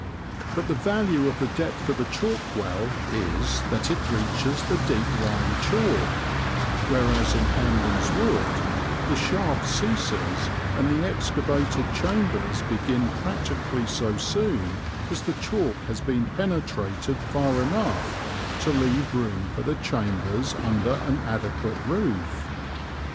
But the value of the depth of a chalk well is that it reaches the deep lying chalk, whereas in Hangman's Wood the shaft ceases and the excavated chambers begin practically so soon as the chalk has been penetrated far enough to leave room for the chambers under an adequate roof.